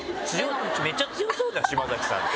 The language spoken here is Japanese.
めっちゃ強そうじゃん島崎さんって。